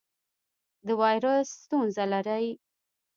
د وایرس ستونزه لرئ؟